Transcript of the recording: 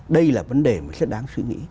đây là vấn đề rất đáng suy nghĩ